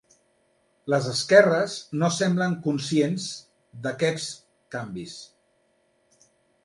Les esquerres no semblen conscients d'aquests canvis.